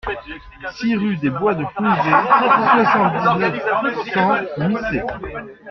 six rue des Bois de Fonzay, soixante-dix-neuf, cent, Missé